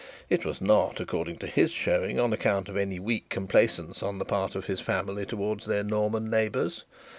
It was not, according to his showing, on account of any weak complaisance on the part of his family towards their Norman neighbours.